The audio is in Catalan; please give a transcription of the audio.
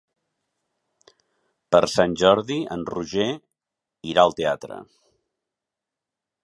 Per Sant Jordi en Roger irà al teatre.